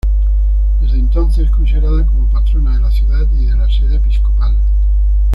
Desde entonces es considerada, como patrona de la ciudad y de la sede episcopal.